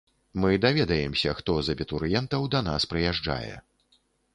Мы даведаемся, хто з абітурыентаў да нас прыязджае.